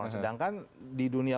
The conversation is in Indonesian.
sedangkan di dunia